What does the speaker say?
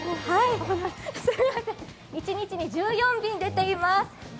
一日に１４便出ています。